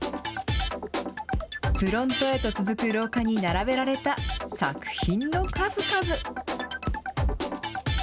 フロントへと続く廊下に並べられた作品の数々。